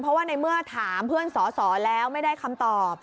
เพราะว่าในเมื่อถามเพื่อนสอสอแล้วไม่ได้คำตอบ